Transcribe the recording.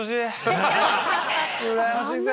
うらやましいぜ。